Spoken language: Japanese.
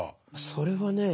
それはね